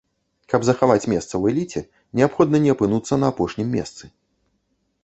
Каб захаваць месца ў эліце, неабходна не апынуцца на апошнім месцы.